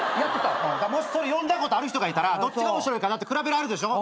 それ読んだことある人がいたらどっちが面白いかなって比べられるでしょ。